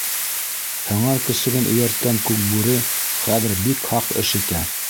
Һыңар көсөгөн эйәрткән Күкбүре хәҙер бик һаҡ эш итә.